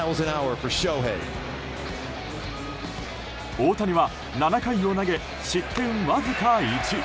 大谷は７回を投げ失点わずか１。